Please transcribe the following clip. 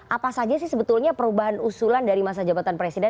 apa saja sih sebetulnya perubahan usulan dari masa jabatan presiden